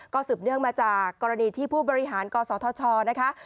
สืบเนื่องมาจากกรณีที่ผู้บริหารกศธชนะคะ